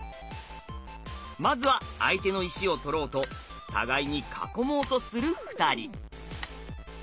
まずは相手の石を取ろうと互いに囲もうとする２人。